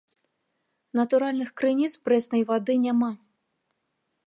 Натуральных крыніц прэснай вады няма.